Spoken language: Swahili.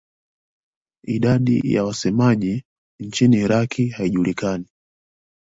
Idadi ya wasemaji nchini Iraq haijulikani.